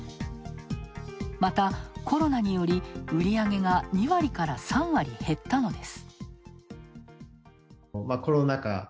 またコロナにより売り上げが２割から３割減ったのです。